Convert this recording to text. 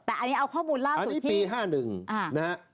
แต่อันนี้เอาข้อมูลล่าสุดที่อันนี้ปี๕๑นะครับ